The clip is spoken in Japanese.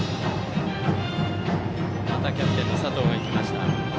またキャプテンの佐藤が行きました。